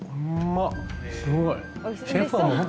すごい。